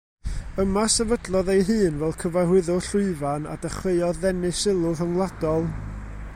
Yma sefydlodd ei hun fel cyfarwyddwr llwyfan a dechreuodd ddenu sylw rhyngwladol.